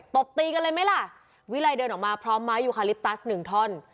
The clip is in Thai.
ตบตีกันเลยไหมล่ะวิลัยเดินออกมาพร้อมไม้ยูคาลิปตัสหนึ่งท่อน